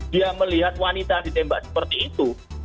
dia melihat wanita ditembak seperti itu